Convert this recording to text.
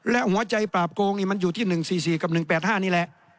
และหัวใจปราบโกงนี่มันอยู่ที่๑๔๔กับ๑๘๕นี่แหละ